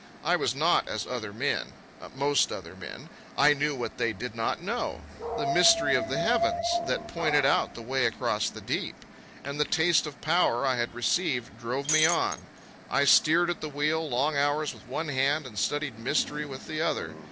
I was not as other men—most other men; I knew what they did not know,—the mystery of the heavens, that pointed out the way across the deep. And the taste of power I had received drove me on. I steered at the wheel long hours with one hand, and studied mystery with the other.